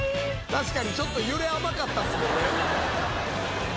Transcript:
確かにちょっと揺れ甘かったっすもんね。